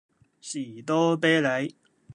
士多啤梨